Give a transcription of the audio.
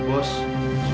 tidak ada siapa di sana